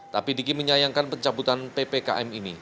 tapi diki menyayangkan pencabutan ppkm ini